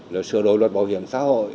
là sửa đổi luật bảo hiểm xã hội